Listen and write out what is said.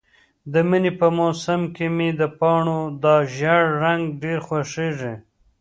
د مني په موسم کې مې د پاڼو دا ژېړ رنګ ډېر خوښیږي.